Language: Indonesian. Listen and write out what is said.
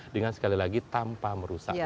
dengan sekali lagi tanpa merusak